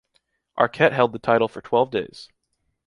Arquette held the title for twelve days.